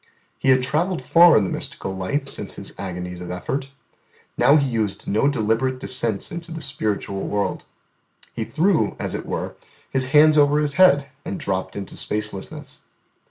He had travelled far in the mystical life since His agonies of effort. Now He used no deliberate descents into the spiritual world: He threw, as it were, His hands over His head, and dropped into spacelessness.